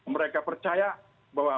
mereka percaya bahwa